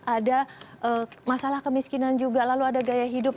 ada masalah kemiskinan juga lalu ada gaya hidup